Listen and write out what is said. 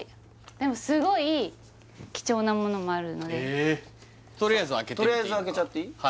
でもすごい貴重なものもあるのでええっとりあえず開けちゃっていい？